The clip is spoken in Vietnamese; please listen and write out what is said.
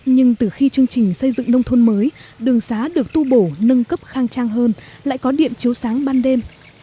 nhưng từ khi chương trình xây dựng nông thôn mới đường xá được tu bổ nâng cấp khang trang hơn lại có điện chiếu sáng ban đêm